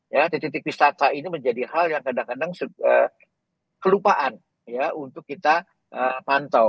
ya titik titik wisata ini menjadi hal yang kadang kadang kelupaan ya untuk kita pantau